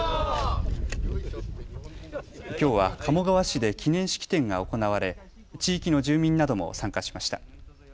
きょうは鴨川市で記念式典が行われ地域の住民なども参加しました。